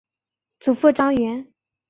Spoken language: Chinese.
祖父张员。